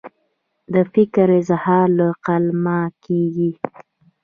د فکر اظهار له قلمه کیږي.